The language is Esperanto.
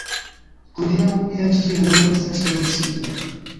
Hodiaŭ eĉ ĝia nomo estas forgesita.